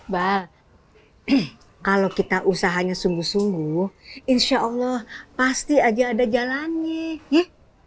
baik kalau kita usahanya sungguh sungguh insya allah pasti aja ada jalannya ye